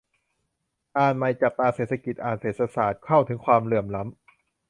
อ่านใหม่ : จับตาเศรษฐกิจ - อ่านเศรษฐศาสตร์ - เข้าถึงความเหลื่อมล้ำ